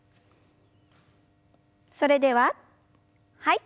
それでははい。